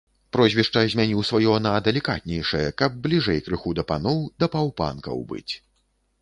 Прозвішча змяніў сваё на далікатнейшае, каб бліжэй крыху да паноў, да паўпанкаў быць.